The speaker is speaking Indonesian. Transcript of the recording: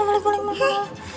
hah udah balik balik